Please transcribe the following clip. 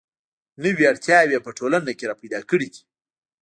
نوې اړتیاوې یې په ټولنه کې را پیدا کړې دي.